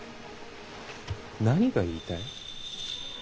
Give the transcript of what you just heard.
何が言いたい。